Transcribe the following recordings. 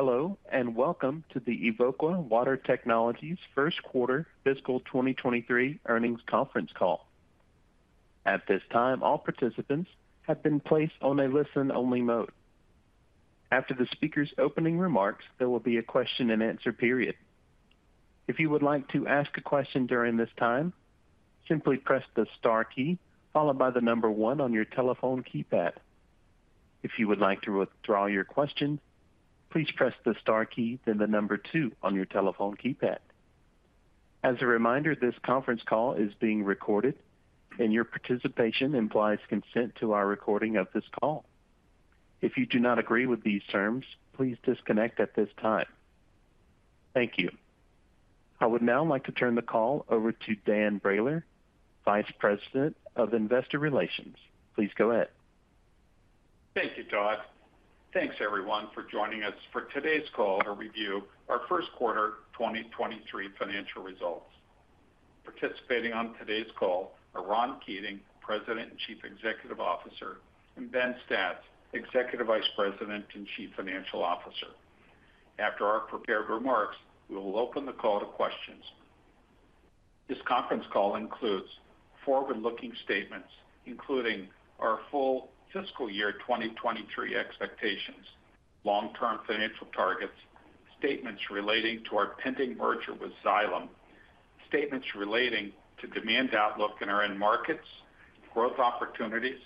Hello, welcome to the Evoqua Water Technologies Q1 fiscal 2023 earnings conference call. At this time, all participants have been placed on a listen-only mode. After the speaker's opening remarks, there will be a question-and-answer period. If you would like to ask a question during this time, simply press the star key followed by the number one on your telephone keypad. If you would like to withdraw your question, please press the star key, then the number two on your telephone keypad. As a reminder, this conference call is being recorded, your participation implies consent to our recording of this call. If you do not agree with these terms, please disconnect at this time. Thank you. I would now like to turn the call over to Dan Brailer, Vice President of Investor Relations. Please go ahead. Thank you, Todd. Thanks everyone for joining us for today's call to review our Q1 2023 financial results. Participating on today's call are Ron Keating, President and Chief Executive Officer, and Ben Stas, Executive Vice President and Chief Financial Officer. After our prepared remarks, we will open the call to questions. This conference call includes forward-looking statements, including our full fiscal year 2023 expectations, long-term financial targets, statements relating to our pending merger with Xylem, statements relating to demand outlook in our end markets, growth opportunities,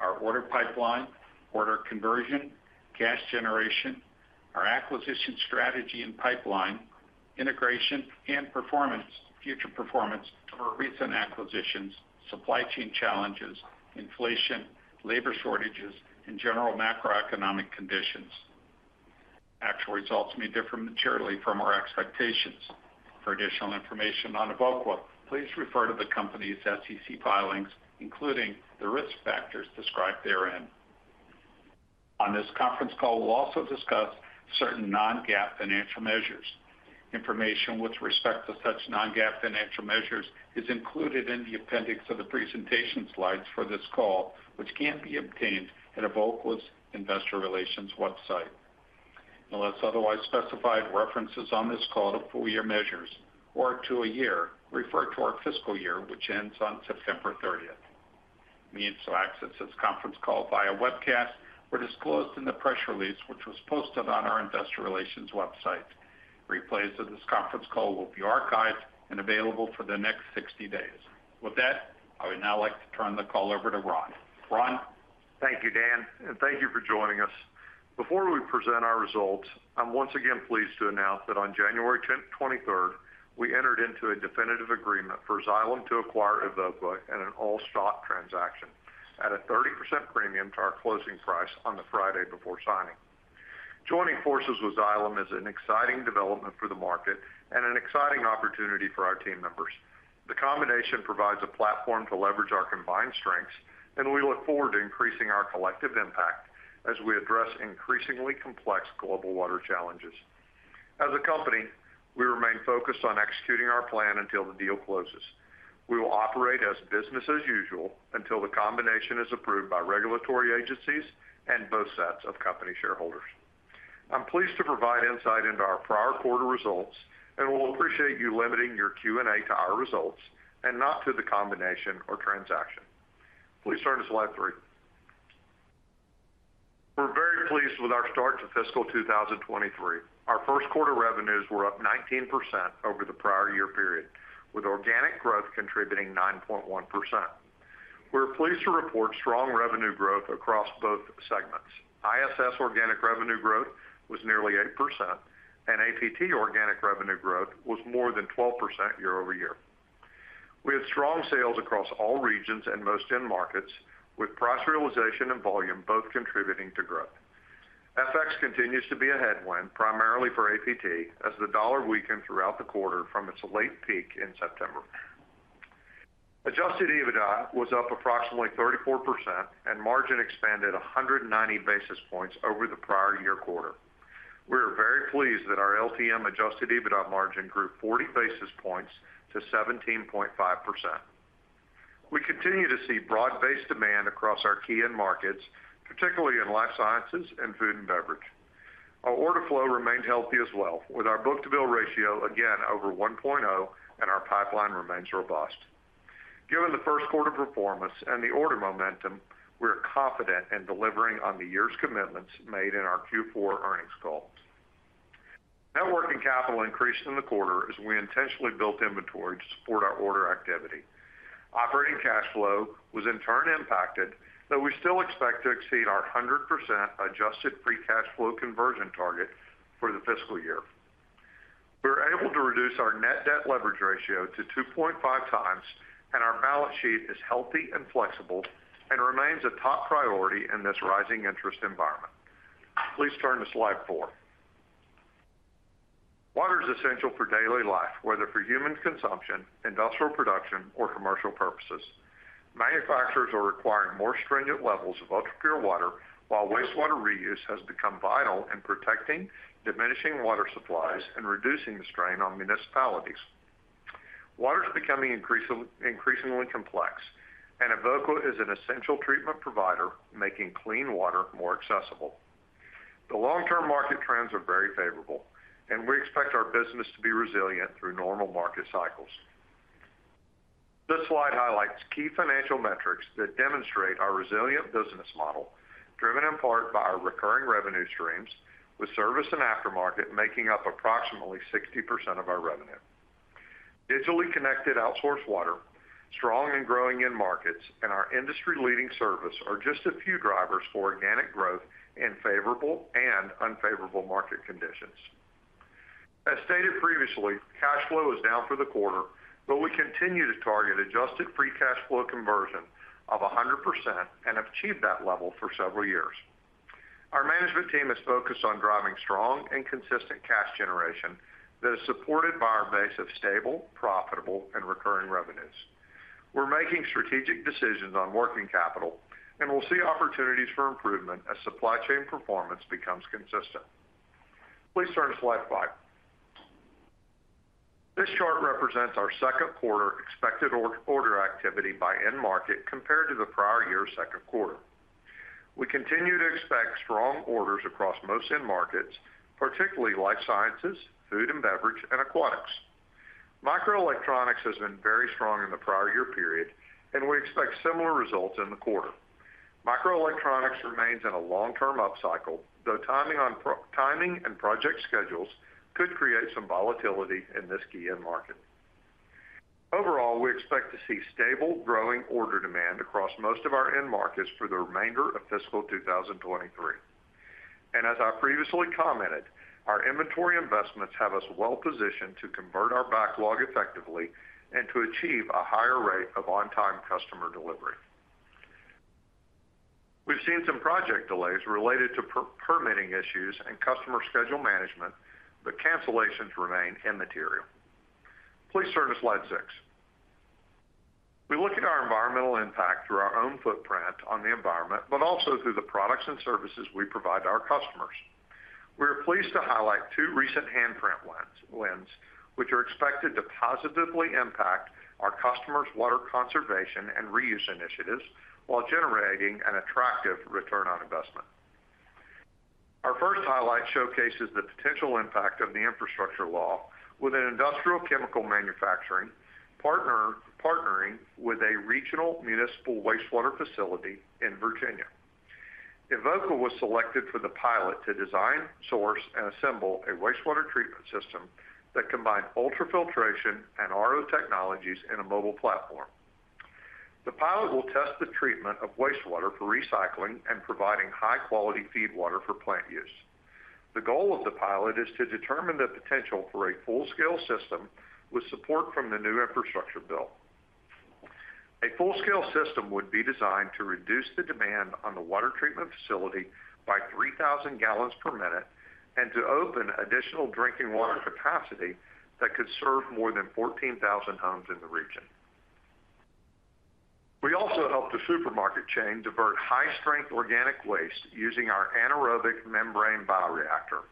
our order pipeline, order conversion, cash generation, our acquisition strategy and pipeline, integration and future performance of our recent acquisitions, supply chain challenges, inflation, labor shortages, and general macroeconomic conditions. Actual results may differ materially from our expectations. For additional information on Evoqua, please refer to the company's SEC filings, including the risk factors described therein. On this conference call, we'll also discuss certain non-GAAP financial measures. Information with respect to such non-GAAP financial measures is included in the appendix of the presentation slides for this call, which can be obtained at Evoqua's investor relations website. Unless otherwise specified, references on this call to full year measures or to a year refer to our fiscal year, which ends on September 30th. Means to access this conference call via webcast were disclosed in the press release, which was posted on our investor relations website. Replays of this conference call will be archived and available for the next 60 days. With that, I would now like to turn the call over to Ron. Ron. Thank you, Dan, and thank you for joining us. Before we present our results, I'm once again pleased to announce that on January 23rd, we entered into a definitive agreement for Xylem to acquire Evoqua in an all-stock transaction at a 30% premium to our closing price on the Friday before signing. Joining forces with Xylem is an exciting development for the market and an exciting opportunity for our team members. The combination provides a platform to leverage our combined strengths, and we look forward to increasing our collective impact as we address increasingly complex global water challenges. As a company, we remain focused on executing our plan until the deal closes. We will operate as business as usual until the combination is approved by regulatory agencies and both sets of company shareholders. I'm pleased to provide insight into our prior quarter results. We'll appreciate you limiting your Q&A to our results and not to the combination or transaction. Please turn to slide 3. We're very pleased with our start to fiscal 2023. Our Q1 revenues were up 19% over the prior year period, with organic growth contributing 9.1%. We're pleased to report strong revenue growth across both segments. ISS organic revenue growth was nearly 8%. APT organic revenue growth was more than 12% year-over-year. We had strong sales across all regions and most end markets, with price realization and volume both contributing to growth. FX continues to be a headwind, primarily for APT, as the dollar weakened throughout the quarter from its late peak in September. Adjusted EBITDA was up approximately 34% and margin expanded 190 basis points over the prior year quarter. We are very pleased that our LTM adjusted EBITDA margin grew 40 basis points to 17.5%. We continue to see broad-based demand across our key end markets, particularly in life sciences and food and beverage. Our order flow remained healthy as well with our book-to-bill ratio again over 1.0. Our pipeline remains robust. Given the Q1 performance and the order momentum, we are confident in delivering on the year's commitments made in our Q4 earnings call. Net working capital increased in the quarter as we intentionally built inventory to support our order activity. Operating cash flow was in turn impacted, though we still expect to exceed our 100% adjusted free cash flow conversion target for the fiscal year. We were able to reduce our net debt leverage ratio to 2.5x. Our balance sheet is healthy and flexible and remains a top priority in this rising interest environment. Please turn to slide four. Water is essential for daily life, whether for human consumption, industrial production, or commercial purposes. Manufacturers are requiring more stringent levels of ultrapure water, while wastewater reuse has become vital in protecting diminishing water supplies and reducing the strain on municipalities. Water is becoming increasingly complex. Evoqua is an essential treatment provider, making clean water more accessible. The long-term market trends are very favorable. We expect our business to be resilient through normal market cycles. This slide highlights key financial metrics that demonstrate our resilient business model, driven in part by our recurring revenue streams, with service and aftermarket making up approximately 60% of our revenue. Digitally connected outsourced water, strong and growing end markets, and our industry-leading service are just a few drivers for organic growth in favorable and unfavorable market conditions. As stated previously, cash flow is down for the quarter, but we continue to target adjusted free cash flow conversion of 100% and have achieved that level for several years. Our management team is focused on driving strong and consistent cash generation that is supported by our base of stable, profitable and recurring revenues. We're making strategic decisions on working capital, and we'll see opportunities for improvement as supply chain performance becomes consistent. Please turn to slide 5. This chart represents our Q2 expected order activity by end market compared to the prior year's Q2. We continue to expect strong orders across most end markets, particularly Life Sciences, Food and Beverage, and aquatics. Microelectronics has been very strong in the prior year period, and we expect similar results in the quarter. Microelectronics remains in a long-term upcycle, though timing on timing and project schedules could create some volatility in this key end market. Overall, we expect to see stable growing order demand across most of our end markets for the remainder of fiscal 2023. As I previously commented, our inventory investments have us well positioned to convert our backlog effectively and to achieve a higher rate of on-time customer delivery. We've seen some project delays related to permitting issues and customer schedule management, but cancellations remain immaterial. Please turn to slide 6. We look at our environmental impact through our own footprint on the environment, but also through the products and services we provide to our customers. We are pleased to highlight 2 recent handprint lens wins which are expected to positively impact our customers' water conservation and reuse initiatives while generating an attractive return on investment. Our first highlight showcases the potential impact of the Infrastructure Law with an industrial chemical manufacturing partner partnering with a regional municipal wastewater facility in Virginia. Evoqua was selected for the pilot to design, source, and assemble a wastewater treatment system that combined ultrafiltration and RO technologies in a mobile platform. The pilot will test the treatment of wastewater for recycling and providing high-quality feed water for plant use. The goal of the pilot is to determine the potential for a full-scale system with support from the new Infrastructure Bill. A full-scale system would be designed to reduce the demand on the water treatment facility by 3,000 gallons per minute and to open additional drinking water capacity that could serve more than 14,000 homes in the region. We also helped a supermarket chain divert high-strength organic waste using our anaerobic membrane bioreactor.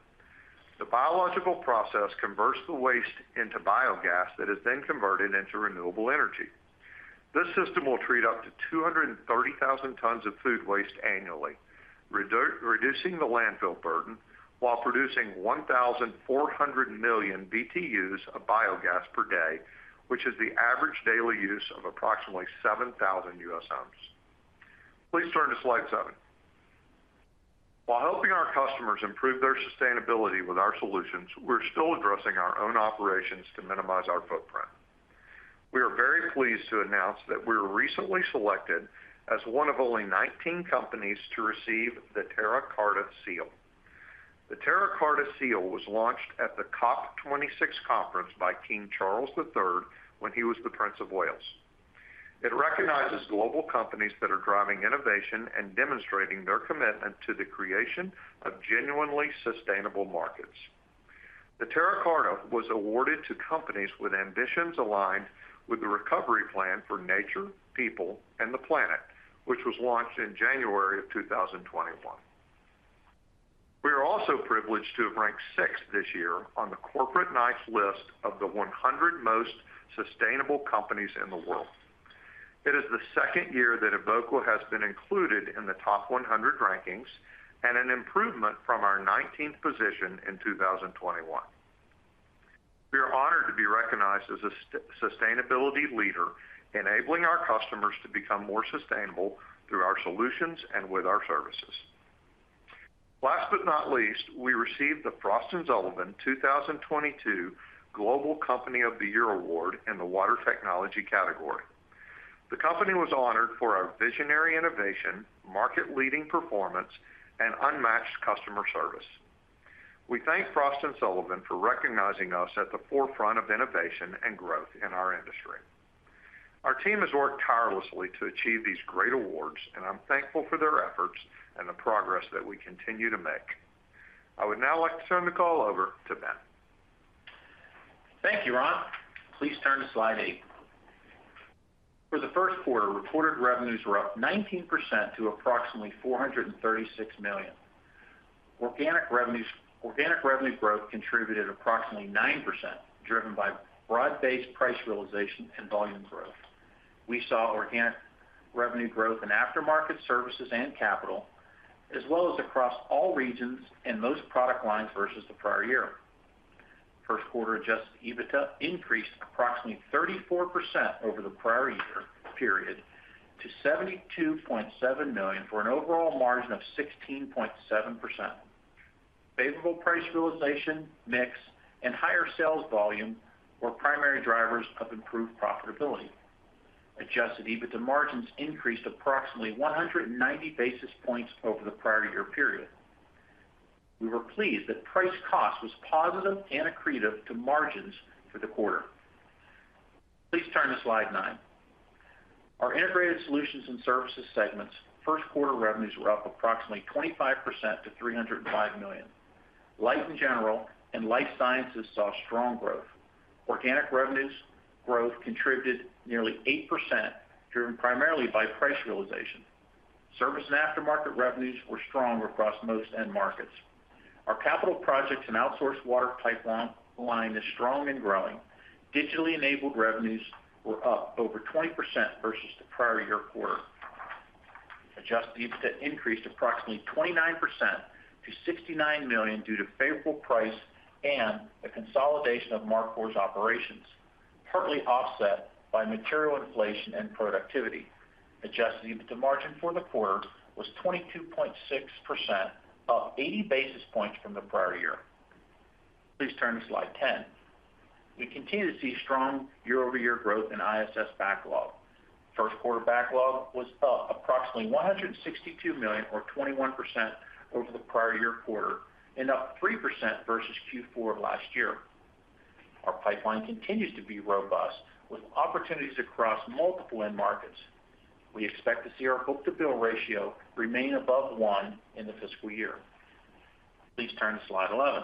The biological process converts the waste into biogas that is converted into renewable energy. This system will treat up to 230,000 tons of food waste annually, reducing the landfill burden while producing 1,400 million BTUs of biogas per day, which is the average daily use of approximately 7,000 U.S. homes. Please turn to slide 7. While helping our customers improve their sustainability with our solutions, we're still addressing our own operations to minimize our footprint. We are very pleased to announce that we were recently selected as one of only 19 companies to receive the Terra Carta Seal. The Terra Carta Seal was launched at the COP26 conference by King Charles III when he was the Prince of Wales. It recognizes global companies that are driving innovation and demonstrating their commitment to the creation of genuinely sustainable markets. The Terra Carta was awarded to companies with ambitions aligned with the recovery plan for nature, people, and the planet, which was launched in January of 2021. We are also privileged to have ranked sixth this year on the Corporate Knights list of the 100 most sustainable companies in the world. It is the second year that Evoqua has been included in the top 100 rankings and an improvement from our 19th position in 2021. We are honored to be recognized as a sustainability leader, enabling our customers to become more sustainable through our solutions and with our services. Last but not least, we received the Frost & Sullivan 2022 Global Company of the Year award in the water technology category. The company was honored for our visionary innovation, market-leading performance, and unmatched customer service. We thank Frost & Sullivan for recognizing us at the forefront of innovation and growth in our industry. Our team has worked tirelessly to achieve these great awards, and I'm thankful for their efforts and the progress that we continue to make. I would now like to turn the call over to Ben. Thank you, Ron. Please turn to slide eight. The Q1 reported revenues were up 19% to approximately $436 million. Organic revenues, organic revenue growth contributed approximately 9%, driven by broad-based price realization and volume growth. We saw organic revenue growth in aftermarket services and capital, as well as across all regions and most product lines versus the prior year. Q1 Adjusted EBITDA increased approximately 34% over the prior year period to $72.7 million for an overall margin of 16.7%. Favorable price realization, mix, and higher sales volume were primary drivers of improved profitability. Adjusted EBITDA margins increased approximately 190 basis points over the prior year period. We were pleased that price cost was positive and accretive to margins for the quarter. Please turn to slide 9. Our Integrated Solutions and Services segments Q1 revenues were up approximately 25% to $305 million. Light general industry and life sciences saw strong growth. Organic revenues growth contributed nearly 8%, driven primarily by price realization. Service and aftermarket revenues were strong across most end markets. Our capital projects and outsourced water pipeline is strong and growing. Digitally enabled revenues were up over 20% versus the prior year quarter. Adjusted EBITDA increased approximately 29% to $69 million due to favorable price and the consolidation of Mar Cor's operations, partly offset by material inflation and productivity. Adjusted EBITDA margin for the quarter was 22.6%, up 80 basis points from the prior year. Please turn to slide 10. We continue to see strong year-over-year growth in ISS backlog. Q1 backlog was up approximately $162 million or 21% over the prior year quarter and up 3% versus Q4 last year. Our pipeline continues to be robust with opportunities across multiple end markets. We expect to see our book-to-bill ratio remain above 1 in the fiscal year. Please turn to slide 11.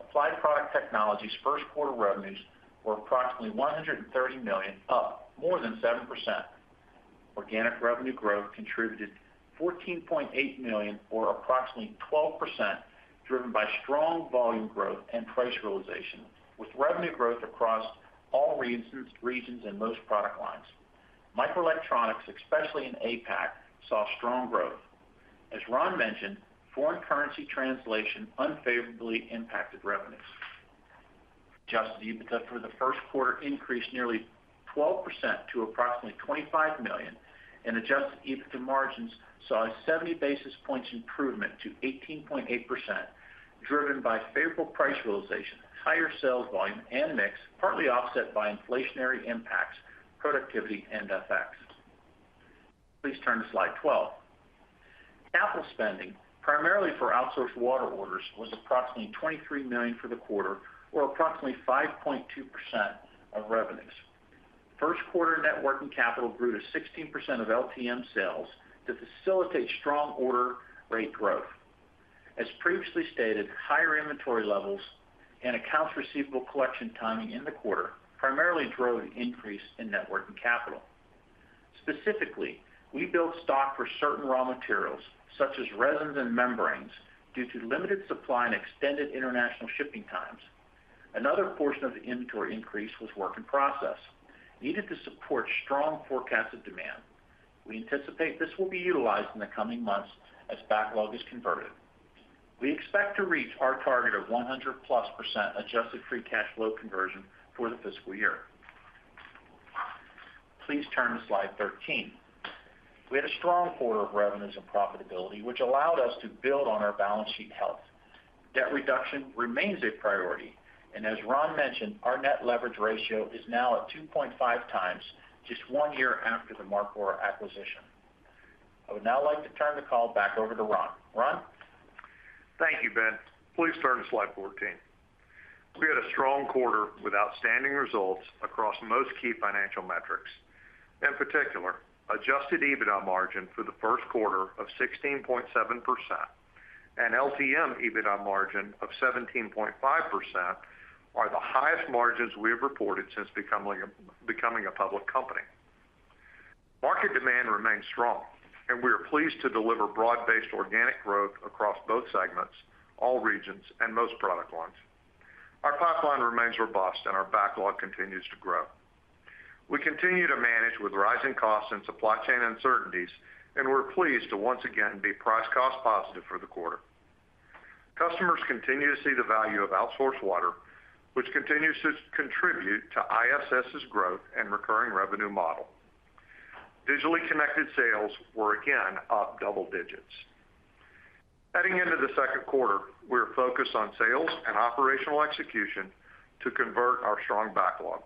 Applied Product Technologies Q1 revenues were approximately $130 million, up more than 7%. Organic revenue growth contributed $14.8 million, or approximately 12%, driven by strong volume growth and price realization, with revenue growth across all re-regions and most product lines. Microelectronics, especially in APAC, saw strong growth. As Ron mentioned, foreign currency translation unfavorably impacted revenues. Adjusted EBITDA for the Q1 increased nearly 12% to approximately $25 million and Adjusted EBITDA margins saw a 70 basis points improvement to 18.8%, driven by favorable price realization, higher sales volume and mix, partly offset by inflationary impacts, productivity and FX. Please turn to slide 12. Capital spending, primarily for outsourced water orders, was approximately $23 million for the quarter or approximately 5.2% of revenues. Q1 LTM net working capital grew to 16% of LTM sales to facilitate strong order rate growth. As previously stated, higher inventory levels and accounts receivable collection timing in the quarter primarily drove an increase in networking capital. Specifically, we built stock for certain raw materials such as resins and membranes due to limited supply and extended international shipping times. Another portion of the inventory increase was work in process, needed to support strong forecasted demand. We anticipate this will be utilized in the coming months as backlog is converted. We expect to reach our target of 100+% adjusted free cash flow conversion for the fiscal year. Please turn to slide 13. We had a strong quarter of revenues and profitability, which allowed us to build on our balance sheet health. Debt reduction remains a priority. As Ron mentioned, our net leverage ratio is now at 2.5 times just one year after the Mar Cor acquisition. I would now like to turn the call back over to Ron. Ron? Thank you, Ben Stas. Please turn to slide 14. We had a strong quarter with outstanding results across most key financial metrics. In particular, adjusted EBITDA margin for the Q1 of 16.7% and LTM EBITDA margin of 17.5% are the highest margins we have reported since becoming a public company. Market demand remains strong. We are pleased to deliver broad-based organic growth across both segments, all regions, and most product lines. Our pipeline remains robust and our backlog continues to grow. We continue to manage with rising costs and supply chain uncertainties. We're pleased to once again be price cost positive for the quarter. Customers continue to see the value of outsourced water, which continues to contribute to ISS's growth and recurring revenue model. Digitally connected sales were again up double digits. Heading into the Q2, we're focused on sales and operational execution to convert our strong backlog.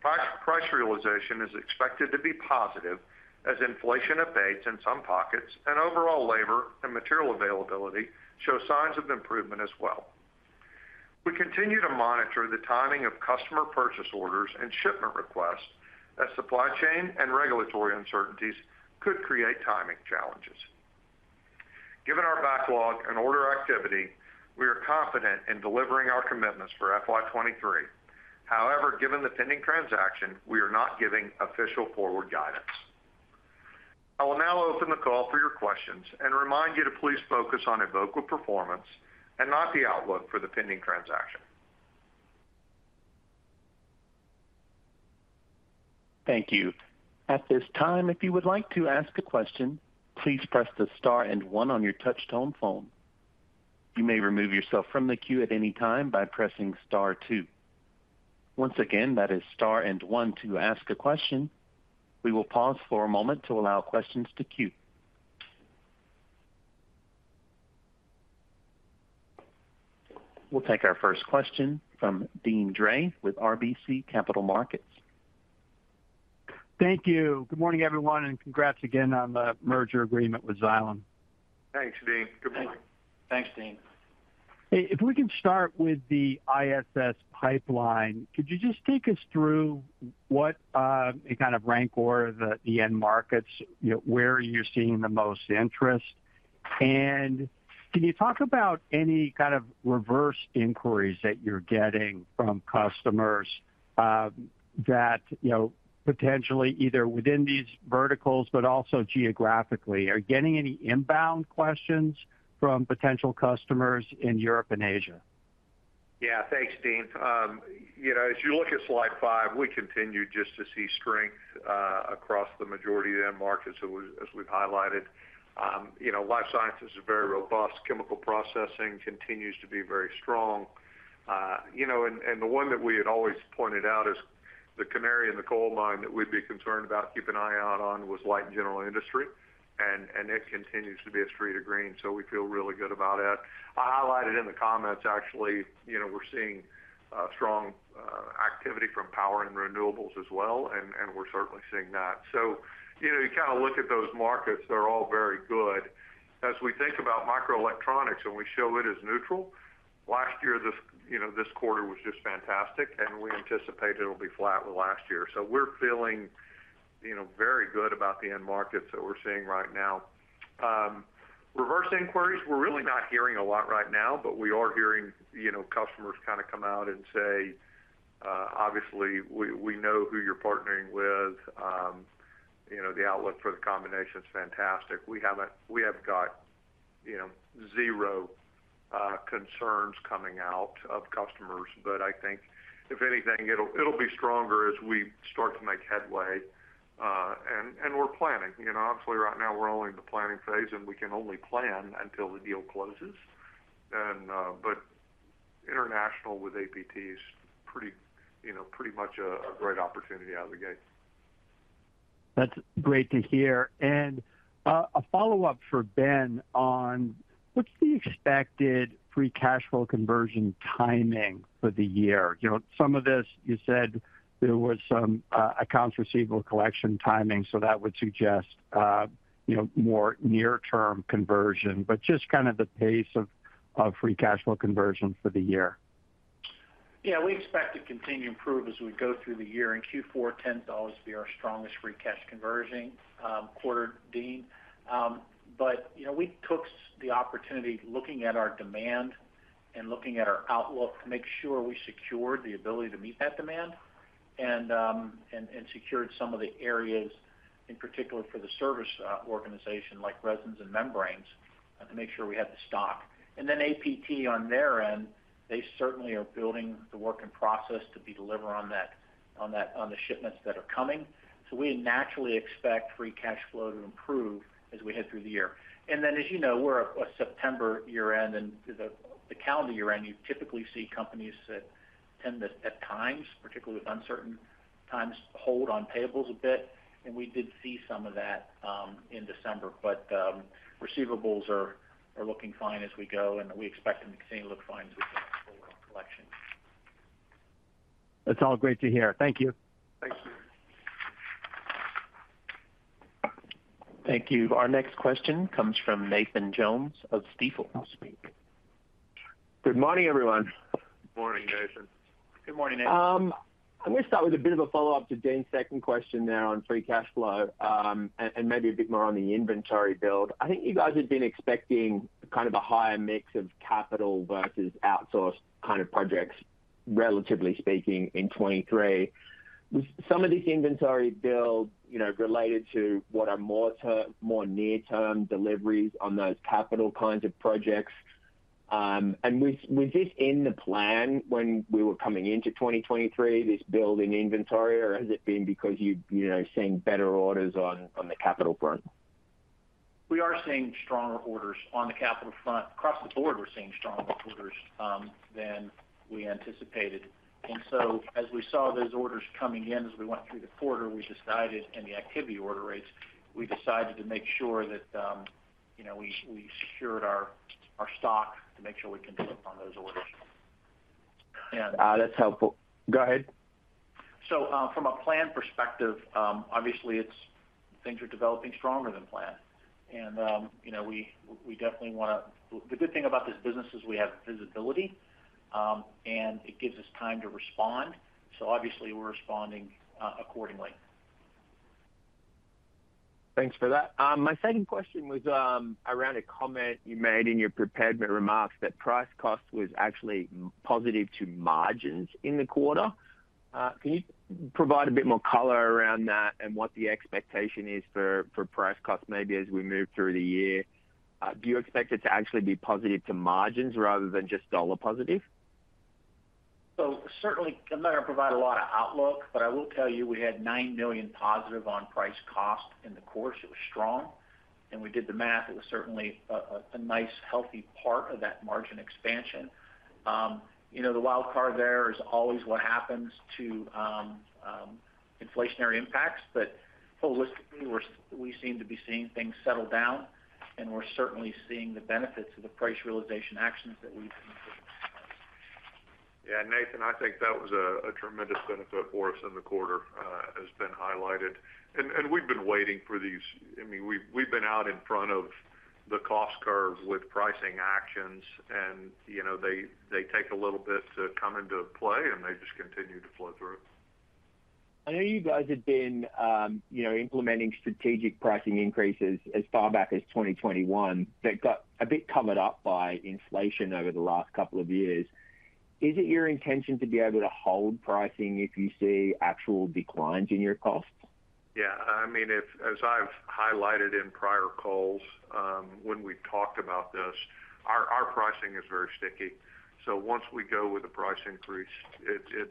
Price realization is expected to be positive as inflation abates in some pockets and overall labor and material availability show signs of improvement as well. We continue to monitor the timing of customer purchase orders and shipment requests as supply chain and regulatory uncertainties could create timing challenges. Given our backlog and order activity, we are confident in delivering our commitments for FY 2023. However, given the pending transaction, we are not giving official forward guidance. I will now open the call for your questions and remind you to please focus on Evoqua performance and not the outlook for the pending transaction. Thank you. At this time, if you would like to ask a question, please press the star and one on your touch-tone phone. You may remove yourself from the queue at any time by pressing star two. Once again, that is star and one to ask a question. We will pause for a moment to allow questions to queue. We'll take our first question from Deane Dray with RBC Capital Markets. Thank you. Good morning, everyone, and congrats again on the merger agreement with Xylem. Thanks, Deane. Good morning. Thanks, Deane. Hey, if we can start with the ISS pipeline, could you just take us through what, the kind of rank or the end markets, you know, where you're seeing the most interest? Can you talk about any kind of reverse inquiries that you're getting from customers, that, you know, potentially either within these verticals but also geographically? Are you getting any inbound questions from potential customers in Europe and Asia? Yeah. Thanks, Deane. You know, as you look at slide 5, we continue just to see strength across the majority of the end markets as we, as we've highlighted. You know, life sciences is very robust. chemical processing continues to be very strong. You know, the one that we had always pointed out as the canary in the coal mine that we'd be concerned about, keep an eye out on, was light general industry. It continues to be a shade of green, so we feel really good about that. I highlighted in the comments, actually, you know, we're seeing strong activity from power and renewables as well. We're certainly seeing that. You know, you kind of look at those markets, they're all very good. As we think about microelectronics and we show it as neutral, last year this, you know, this quarter was just fantastic, we anticipate it'll be flat with last year. We're feeling, you know, very good about the end markets that we're seeing right now. Reverse inquiries, we're really not hearing a lot right now, we are hearing, you know, customers kind of come out and say, "Obviously we know who you're partnering with. You know, the outlook for the combination's fantastic." We have got, you know, 0 concerns coming out of customers. I think if anything, it'll be stronger as we start to make headway. We're planning. You know, obviously right now we're only in the planning phase, we can only plan until the deal closes. International with APT is pretty, you know, pretty much a great opportunity out of the gate. That's great to hear. A follow-up for Ben on what's the expected free cash flow conversion timing for the year? You know, some of this you said there was some accounts receivable collection timing, so that would suggest, you know, more near-term conversion, but just kind of the pace of free cash flow conversion for the year. Yeah. We expect to continue to improve as we go through the year. In Q4, tends to always be our strongest free cash conversion quarter, Deane. You know, we took the opportunity looking at our demand and looking at our outlook to make sure we secured the ability to meet that demand and secured some of the areas, in particular for the service organization like resins and membranes, to make sure we have the stock. APT on their end, they certainly are building the work in process to be deliver on that, on the shipments that are coming. We naturally expect free cash flow to improve as we head through the year. As you know, we're a September year-end, and the calendar year-end, you typically see companies that tend to, at times, particularly with uncertain times, hold on payables a bit. We did see some of that in December. Receivables are looking fine as we go, and we expect them to continue to look fine as we collection. That's all great to hear. Thank you. Thank you. Thank you. Our next question comes from Nathan Jones of Stifel. Good morning, everyone. Morning, Nathan. Good morning, Nathan. I'm gonna start with a bit of a follow-up to Deane's second question there on free cash flow and maybe a bit more on the inventory build. I think you guys had been expecting kind of a higher mix of capital versus outsourced kind of projects, relatively speaking, in 2023. Was some of this inventory build, you know, related to what are more near-term deliveries on those capital kinds of projects? Was this in the plan when we were coming into 2023, this build in inventory, or has it been because you're, you know, seeing better orders on the capital front? We are seeing stronger orders on the capital front. Across the board, we're seeing stronger orders than we anticipated. As we saw those orders coming in as we went through the quarter, we decided, and the activity order rates, we decided to make sure that, you know, we secured our stock to make sure we can deliver on those orders. That's helpful. Go ahead. From a plan perspective, obviously things are developing stronger than planned. You know, we definitely The good thing about this business is we have visibility, and it gives us time to respond. Obviously we're responding accordingly. Thanks for that. My second question was around a comment you made in your prepared remarks that price cost was actually positive to margins in the quarter. Can you provide a bit more color around that and what the expectation is for price cost maybe as we move through the year? Do you expect it to actually be positive to margins rather than just dollar positive? Certainly I'm not gonna provide a lot of outlook, but I will tell you we had $9 million positive on price cost in the course. It was strong, and we did the math. It was certainly a nice healthy part of that margin expansion. You know, the wild card there is always what happens to inflationary impacts. Holistically, we seem to be seeing things settle down, and we're certainly seeing the benefits of the price realization actions that we've taken. Yeah, Nathan, I think that was a tremendous benefit for us in the quarter, has been highlighted. We've been waiting for these. I mean, we've been out in front of the cost curve with pricing actions and, you know, they take a little bit to come into play, and they just continue to flow through. I know you guys have been, you know, implementing strategic pricing increases as far back as 2021 that got a bit covered up by inflation over the last couple of years. Is it your intention to be able to hold pricing if you see actual declines in your costs? Yeah, I mean, as I've highlighted in prior calls, when we've talked about this, our pricing is very sticky. Once we go with a price increase, it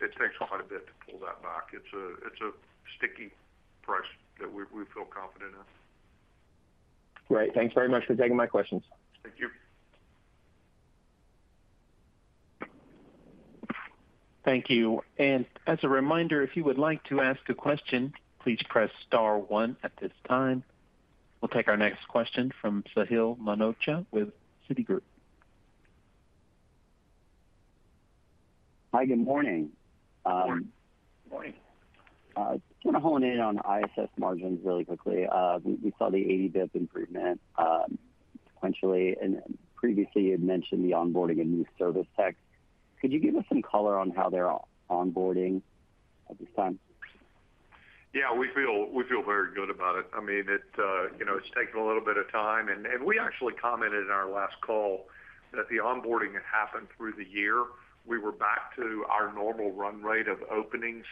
takes quite a bit to pull that back. It's a sticky price that we feel confident in. Great. Thanks very much for taking my questions. Thank you. Thank you. As a reminder, if you would like to ask a question, please press star one at this time. We'll take our next question from Scott Graham with Citigroup. Hi, good morning. Good morning. Just want to hone in on ISS margins really quickly. We, we saw the 80 basis points improvement sequentially, and previously you'd mentioned the onboarding of new service techs. Could you give us some color on how they're onboarding at this time? We feel very good about it. I mean, it, you know, it's taken a little bit of time. We actually commented in our last call that the onboarding had happened through the year. We were back to our normal run rate of openings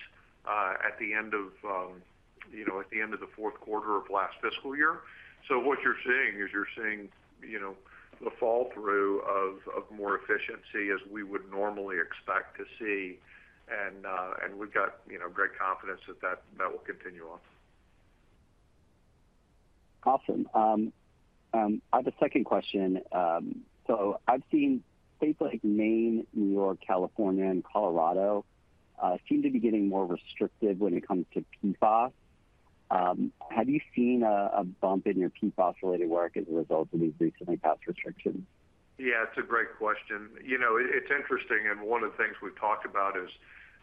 at the end of, you know, at the end of the Q4 of last fiscal year. What you're seeing is you're seeing, you know, the fall through of more efficiency as we would normally expect to see. We've got, you know, great confidence that will continue on. Awesome. I have a second question. I've seen states like Maine, New York, California and Colorado, seem to be getting more restrictive when it comes to PFAS. Have you seen a bump in your PFAS-related work as a result of these recently passed restrictions? It's a great question. You know, it's interesting, and one of the things we've talked about is,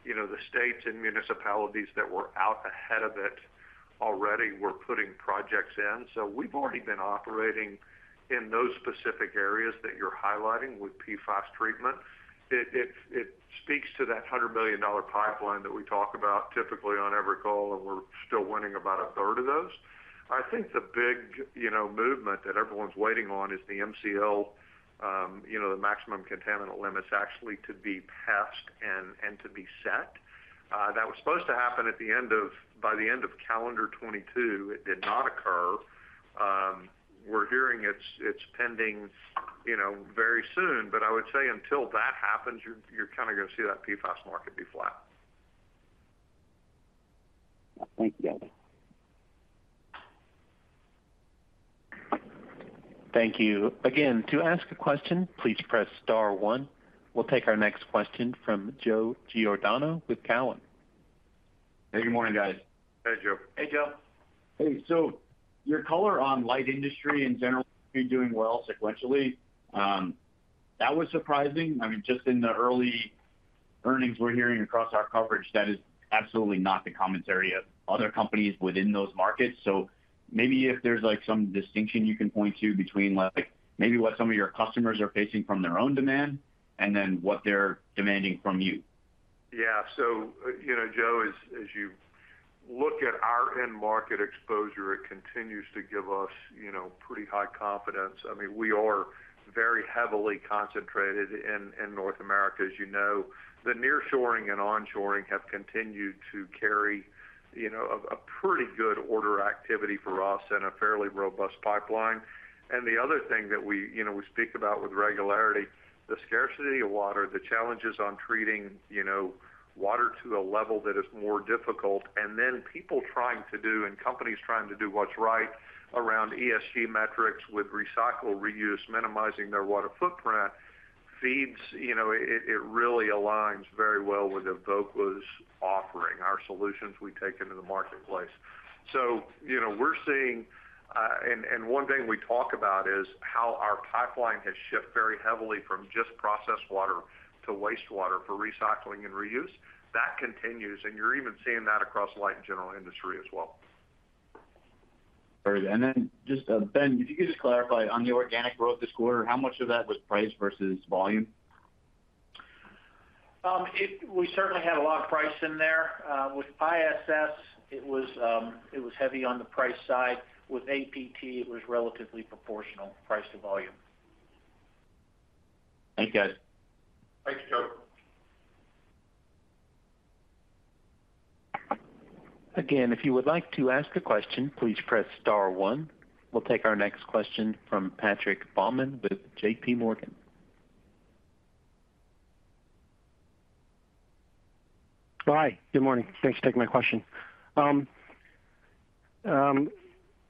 you know, the states and municipalities that were out ahead of it already were putting projects in. We've already been operating in those specific areas that you're highlighting with PFAS treatment. It speaks to that $100 million pipeline that we talk about typically on every call, and we're still winning about a third of those. I think the big, you know, movement that everyone's waiting on is the MCL, you know, the maximum contaminant limits actually to be passed and to be set. That was supposed to happen by the end of calendar 2022. It did not occur. We're hearing it's pending, you know, very soon, but I would say until that happens, you're kind of gonna see that PFAS market be flat. Thank you, guys. Thank you. Again, to ask a question, please press star one. We'll take our next question from Joe Giordano with Cowen. Hey, good morning, guys. Hey, Joe. Hey, Joe. Hey. Your color on light industry in general doing well sequentially, that was surprising. I mean, just in the early earnings we're hearing across our coverage, that is absolutely not the commentary of other companies within those markets. Maybe if there's, like, some distinction you can point to between, like, maybe what some of your customers are facing from their own demand and then what they're demanding from you? Yeah. You know, Joe, as you look at our end market exposure, it continues to give us, you know, pretty high confidence. I mean, we are very heavily concentrated in North America. As you know, the nearshoring and onshoring have continued to carry, you know, a pretty good order activity for us and a fairly robust pipeline. The other thing that we, you know, we speak about with regularity, the scarcity of water, the challenges on treating, you know, water to a level that is more difficult, and then people trying to do and companies trying to do what's right around ESG metrics with recycle, reuse, minimizing their water footprint, feeds, you know, it really aligns very well with Evoqua's offering, our solutions we take into the marketplace. You know, we're seeing, and one thing we talk about is how our pipeline has shifted very heavily from just processed water to wastewater for recycling and reuse. That continues. You're even seeing that across light and general industry as well. All right. Just, Ben, could you just clarify on the organic growth this quarter, how much of that was price versus volume? We certainly had a lot of price in there. With ISS, it was heavy on the price side. With APT, it was relatively proportional price to volume. Thanks, guys. Thanks, Joe. Again, if you would like to ask a question, please press star one. We'll take our next question from Patrick Baumann with J.P. Morgan. Hi, good morning. Thanks for taking my question.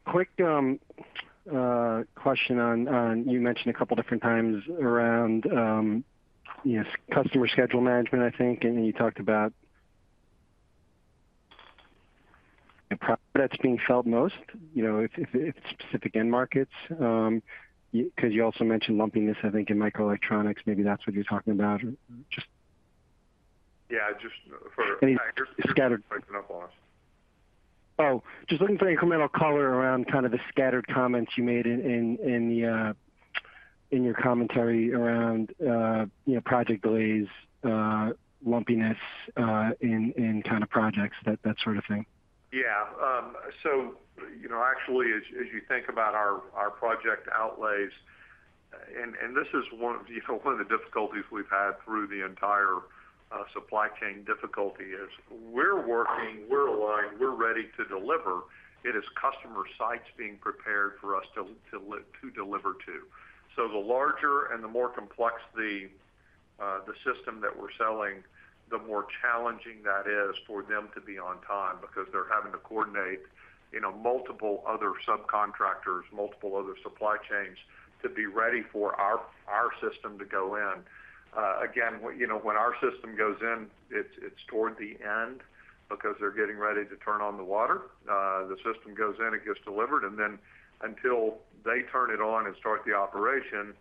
Quick question on you mentioned a couple different times around, yes, customer schedule management, I think. You talked about the product that's being felt most, you know, if it's specific end markets, because you also mentioned lumpiness I think in microelectronics. Maybe that's what you're talking about. Yeah, just for. Oh, just looking for any incremental color around kind of the scattered comments you made in your commentary around, you know, project delays, lumpiness, in kind of projects, that sort of thing. You know, actually as you think about our project outlays, and this is one of the difficulties we've had through the entire supply chain difficulty is we're working, we're aligned, we're ready to deliver. It is customer sites being prepared for us to deliver to. The larger and the more complex the system that we're selling, the more challenging that is for them to be on time because they're having to coordinate, you know, multiple other subcontractors, multiple other supply chains to be ready for our system to go in. Again, you know, when our system goes in, it's toward the end because they're getting ready to turn on the water. The system goes in, it gets delivered, and then until they turn it on and start the operation,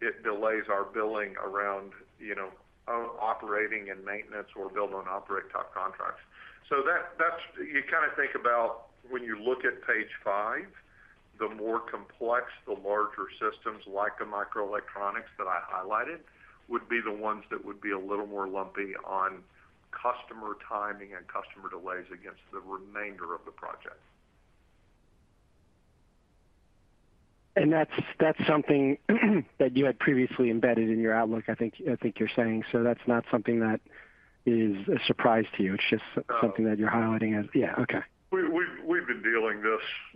it delays our billing around, you know, operating and maintenance or build on operate type contracts. That's, you kind of think about when you look at page five, the more complex, the larger systems like the microelectronics that I highlighted would be the ones that would be a little more lumpy on customer timing and customer delays against the remainder of the project. That's something that you had previously embedded in your outlook, I think you're saying. That's not something that is a surprise to you. It's just something that you're highlighting. No. Yeah, okay. We've been dealing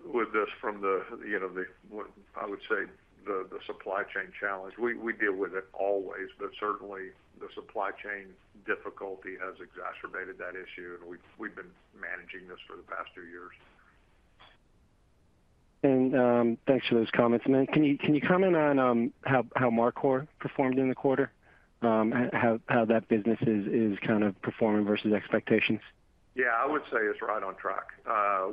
with this from the, you know, the what I would say the supply chain challenge. We deal with it always, but certainly the supply chain difficulty has exacerbated that issue, and we've been managing this for the past two years. Thanks for those comments. Then can you comment on, how Mar Cor performed in the quarter? How that business is kind of performing versus expectations? Yeah, I would say it's right on track.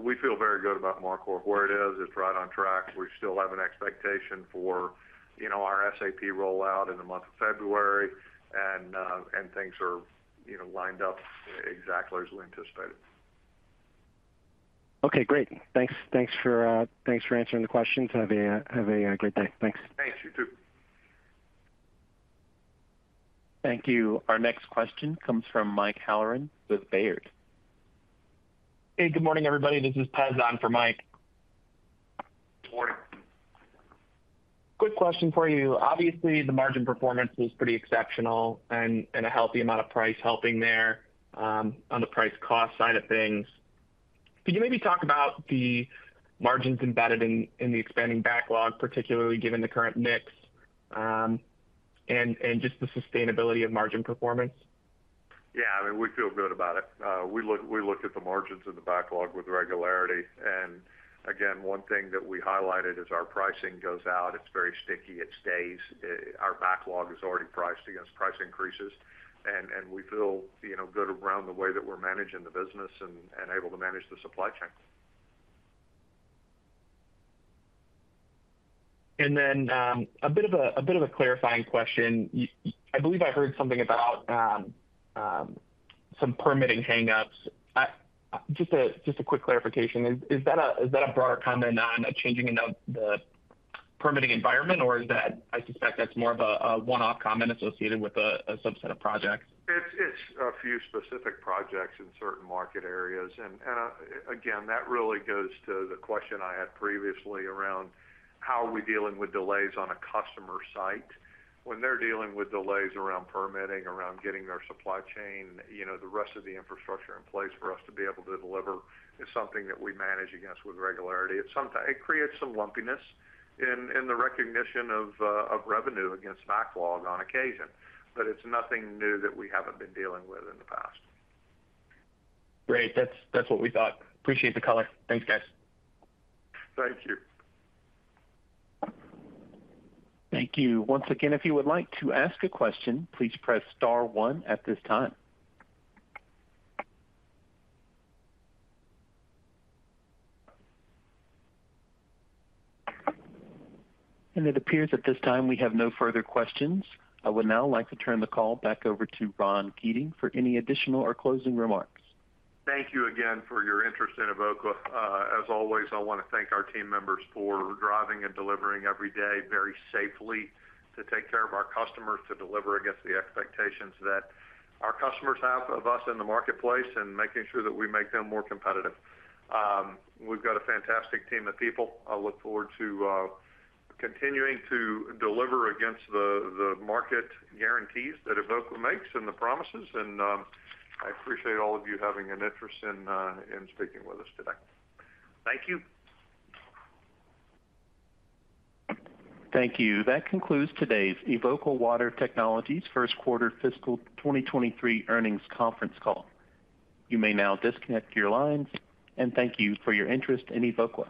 We feel very good about Mar Cor. Where it is, it's right on track. We still have an expectation for, you know, our SAP rollout in the month of February. Things are, you know, lined up exactly as we anticipated. Okay, great. Thanks. Thanks for answering the questions. Have a great day. Thanks. Thanks. You too. Thank you. Our next question comes from Michael Halloran with Baird. Hey, good morning, everybody. This is Pez on for Mike. Good morning. Quick question for you. Obviously, the margin performance was pretty exceptional and a healthy amount of price helping there, on the price cost side of things. Could you maybe talk about the margins embedded in the expanding backlog, particularly given the current mix, and just the sustainability of margin performance? Yeah, I mean, we feel good about it. We look at the margins in the backlog with regularity. Again, one thing that we highlighted as our pricing goes out, it's very sticky. It stays. Our backlog is already priced against price increases. We feel, you know, good around the way that we're managing the business and able to manage the supply chain. A bit of a clarifying question. I believe I heard something about some permitting hang-ups. Just a quick clarification. Is that a broader comment on a changing in the permitting environment? I suspect that's more of a one-off comment associated with a subset of projects. It's a few specific projects in certain market areas. Again, that really goes to the question I had previously around how are we dealing with delays on a customer site. When they're dealing with delays around permitting, around getting their supply chain, you know, the rest of the infrastructure in place for us to be able to deliver is something that we manage against with regularity. It creates some lumpiness in the recognition of revenue against backlog on occasion. It's nothing new that we haven't been dealing with in the past. Great. That's what we thought. Appreciate the color. Thanks, guys. Thank you. Thank you. Once again, if you would like to ask a question, please press star one at this time. It appears at this time we have no further questions. I would now like to turn the call back over to Ron Keating for any additional or closing remarks. Thank you again for your interest in Evoqua. As always, I want to thank our team members for driving and delivering every day very safely to take care of our customers, to deliver against the expectations that our customers have of us in the marketplace and making sure that we make them more competitive. We've got a fantastic team of people. I look forward to continuing to deliver against the market guarantees that Evoqua makes and the promises. I appreciate all of you having an interest in speaking with us today. Thank you. Thank you. That concludes today's Evoqua Water Technologies Q1 fiscal 2023 earnings conference call. You may now disconnect your lines, and thank you for your interest in Evoqua.